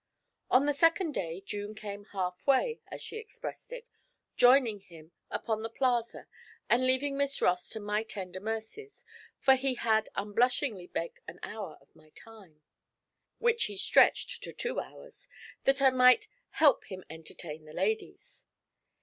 On the second day June came 'half way,' as she expressed it, joining him upon the Plaza and leaving Miss Ross to my tender mercies, for he had unblushingly begged an hour of my time which he stretched to two hours that I might 'help him entertain the ladies.'